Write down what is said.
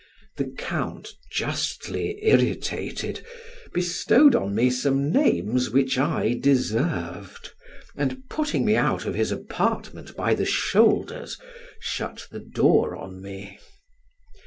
The count, justly irritated, bestowed on me some names which I deserved, and putting me out of his apartment by the shoulders, shut the door on me.